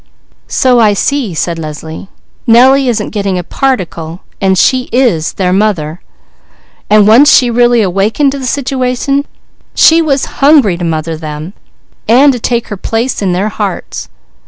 "So I see," said Leslie. "Nellie isn't getting a particle and she is their mother, and once she really awakened to the situation, she was hungry to mother them, and to take her place in their hearts.